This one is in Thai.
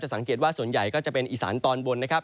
สังเกตว่าส่วนใหญ่ก็จะเป็นอีสานตอนบนนะครับ